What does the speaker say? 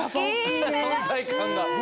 存在感が。